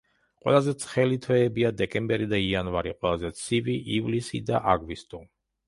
ყველაზე ცხელი თვეებია დეკემბერი და იანვარი, ყველაზე ცივი ივლისი და აგვისტო.